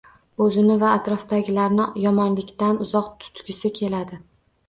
Oʻzini va atrofidagilarni yomonliklardan uzoq tutgisi keladi.